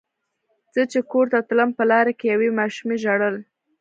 زه چې کور ته تلم په لاره کې یوې ماشومې ژړل.